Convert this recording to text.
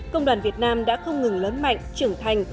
công đoàn việt nam đã không ngừng lớn mạnh trưởng thành